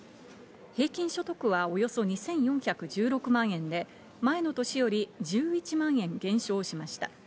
平均所得はおよそ２４１６万円で、前の年より１１万円減少しました。